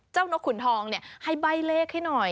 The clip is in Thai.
นกขุนทองให้ใบ้เลขให้หน่อย